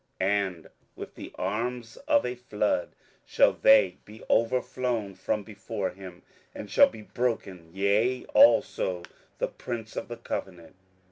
27:011:022 And with the arms of a flood shall they be overflown from before him, and shall be broken; yea, also the prince of the covenant.